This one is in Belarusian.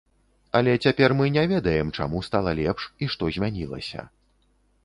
Але цяпер мы не ведаем, чаму стала лепш і што змянілася.